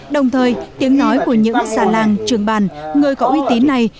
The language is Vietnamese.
đồng thời tiếng nói của những xà làng trường bàn người có uy tín này